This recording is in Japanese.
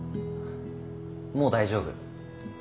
もう大丈夫。